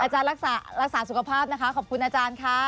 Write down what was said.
รักษารักษาสุขภาพนะคะขอบคุณอาจารย์ค่ะ